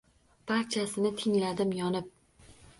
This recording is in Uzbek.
Barchasini tingladim yonib